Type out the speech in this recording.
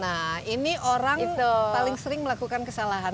nah ini orang paling sering melakukan kesalahan